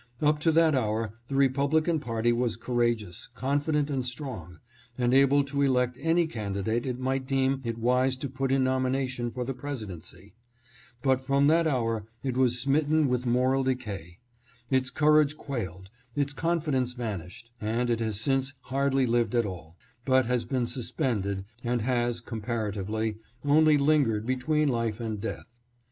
Up to that hour the Republican party was courageous, confident and strong, and able to elect any candidate it might deem it wise to put in nomination for the Presidency ; but from that hour it was smitten with moral decay ; its courage quailed, its confidence vanished, and it has since hardly lived at all, but has been suspended, and has, comparatively, only lingered between life and death.